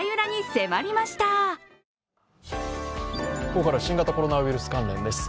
ここからは新型コロナウイルス関連です。